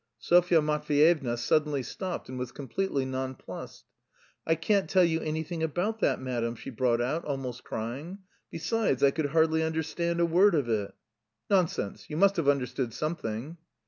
Sofya Matveyevna suddenly stopped and was completely nonplussed. "I can't tell you anything about that, madam," she brought out, almost crying; "besides, I could hardly understand a word of it." "Nonsense! You must have understood something."